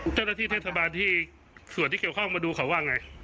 เจ้าหน้าที่เทศบาลที่ส่วนที่เกี่ยวข้องมาดูเขาว่าไง